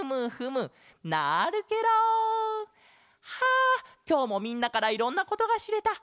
あきょうもみんなからいろんなことがしれた。